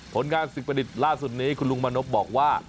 ผลงานสิ่งประดิษฐ์ล่าสุดนี้คุณลุงมณพบอกว่า